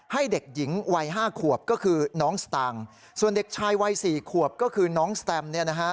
ให้เด็กหญิงวัยห้าขวบก็คือน้องสตางค์ส่วนเด็กชายวัยสี่ขวบก็คือน้องสแตมเนี่ยนะฮะ